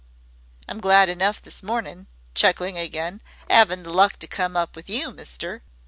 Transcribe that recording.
I'm glad enough this mornin'," chuckling again, "'avin' the luck to come up with you, mister.